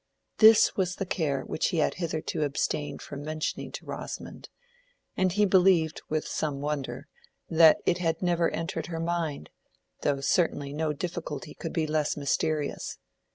This was the care which he had hitherto abstained from mentioning to Rosamond; and he believed, with some wonder, that it had never entered her mind, though certainly no difficulty could be less mysterious.